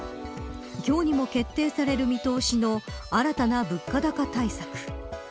今日にも決定するされる見通しの新たな物価高対策。